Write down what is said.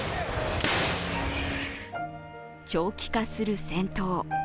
長期化する戦闘。